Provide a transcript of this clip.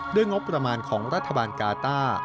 งบประมาณของรัฐบาลกาต้า